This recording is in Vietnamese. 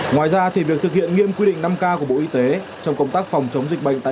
ngoài ra việc thực hiện nghiêm quy định năm k của bộ y tế trong công tác phòng chống dịch bệnh tại